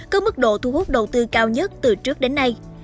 có mức độ thu hút đầu tư cao nhất từ trước đến nay